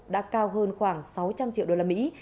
đã cao hơn khoảng sáu trăm linh triệu đô la mỹ